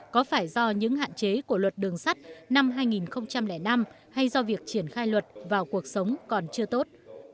có phải do những hạn chế của luật đường sắt năm hai nghìn năm hay do việc triển khai luật vào cuộc sống còn chưa tốt